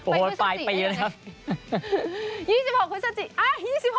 โอ้ปลายปีแล้วนะครับ